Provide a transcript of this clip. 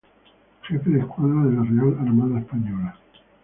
Jefe de escuadra de la Real Armada Española.